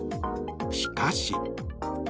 しかし。